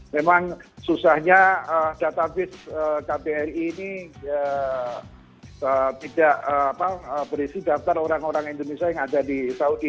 memang susahnya database kbri ini tidak berisi daftar orang orang indonesia yang ada di saudi